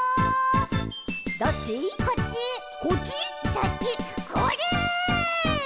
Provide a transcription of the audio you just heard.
「そっちこれ！！」